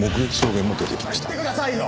言ってくださいよ！